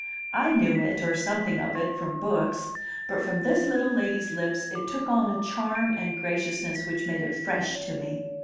I knew it, or something of it, from books; but from this little lady's lips it took on a charm and graciousness which made it fresh to me.